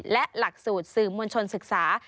และหลักสูตรสื่อมวลชนศึกษา